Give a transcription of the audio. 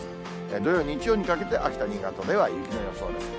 土曜、日曜にかけて秋田、新潟では雪の予想です。